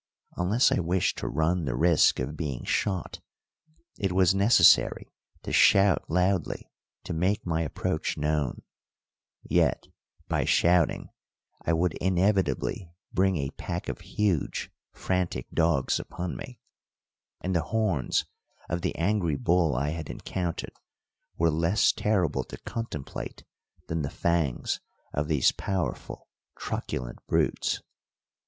Unless I wished to run the risk of being shot, it was necessary to shout loudly to make my approach known, yet by shouting I would inevitably bring a pack of huge, frantic dogs upon me; and the horns of the angry bull I had encountered were less terrible to contemplate than the fangs of these powerful, truculent brutes.